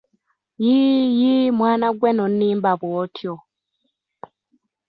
Yii, Yii, mwana wange nonimba bw'otyo